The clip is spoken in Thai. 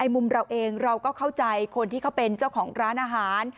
มุมเราเองเราก็เข้าใจคนที่เขาเป็นเจ้าของร้านอาหาร